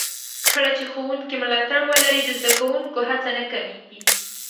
کله چې ښوونکي ملاتړ ولري، د زده کوونکو هڅه نه کمېږي.